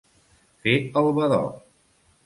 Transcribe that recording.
Fer el badoc.